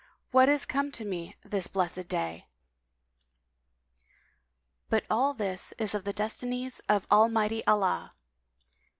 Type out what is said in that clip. What is come to me this blessed day? But all this is of the destinies of Almighty Allah!"